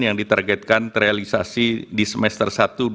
yang ditargetkan terrealisasi di semester satu dua ribu dua puluh